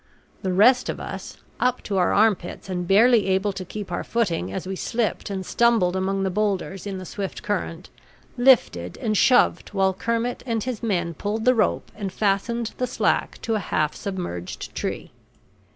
The rest of us, up to our armpits and barely able to keep our footing as we slipped and stumbled among the boulders in the swift current, lifted and shoved while Kermit and his men pulled the rope and fastened the slack to a half submerged tree.